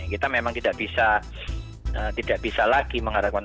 kita memang tidak bisa lagi mengharapkan